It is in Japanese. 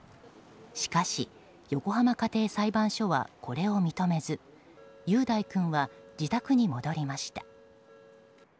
しかし、横浜家庭裁判所はこれを認めず雄大君は自宅に戻りました。